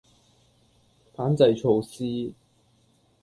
反制措施